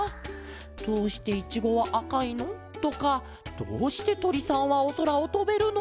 「どうしていちごはあかいの？」とか「どうしてとりさんはおそらをとべるの？」とか。